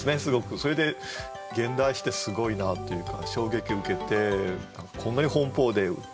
それで現代詩ってすごいなっていうか衝撃を受けてこんなに奔放でうたってんだ。